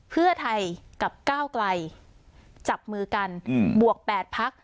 เพื่อไทยกับก้าวไกลจับมือกันบวก๘พัก